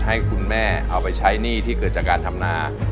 ให้คุณแม่เอาไปใช้หนี้ที่เกิดจากการทำนา